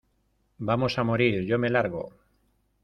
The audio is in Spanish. Vamos a morir. Yo me largo .